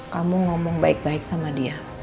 kamu ngomong baik baik sama dia